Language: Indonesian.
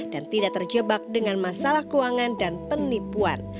tidak terjebak dengan masalah keuangan dan penipuan